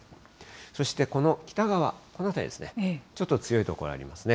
そして、この北側、この辺りですね、ちょっと強い所ありますね。